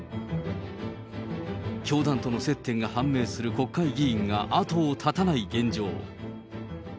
教団との接点が判明する国会議員が後を絶たない現状。